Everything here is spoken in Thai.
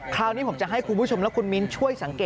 คราวนี้ผมจะให้คุณผู้ชมและคุณมิ้นช่วยสังเกต